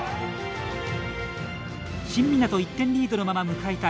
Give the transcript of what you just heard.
新湊１点リードのまま迎えた